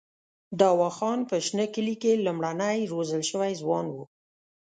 دوا خان په شنه کلي کې لومړنی روزل شوی ځوان وو.